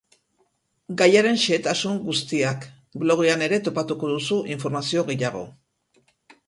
Gaiaren xehetasun guztiak, blogean ere topatuko duzu informazio gehiago.